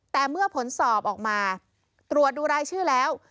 แต่เมื่อผลสอบออกมาตรวจดูรายชื่อแล้ว